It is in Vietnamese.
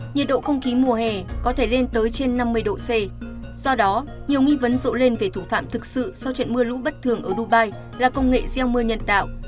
nhiệt độ không khí mùa hè có thể lên tới trên năm mươi độ c do đó nhiều nghi vấn rộ lên về thủ phạm thực sự sau trận mưa lũ bất thường ở dubai là công nghệ gieo mưa nhân tạo